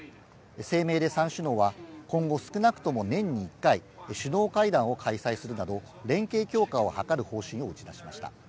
声明で３首脳は、今後、少なくとも年に１回、首脳会談を開催するなど、連携強化を図る方針を打ち出しました。